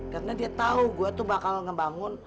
karena dia tau gua tuh bakal ngebangun